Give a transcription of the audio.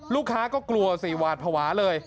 ลูกค้าก็กลัวสิหวาดภาวะเลย